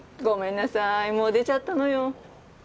ごめんなさいもう出ちゃったのよ。